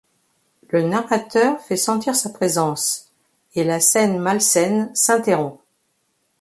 Le narrateur fait sentir sa présence, et la scène malsaine s’interrompt.